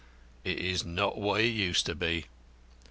It is not what it used to be.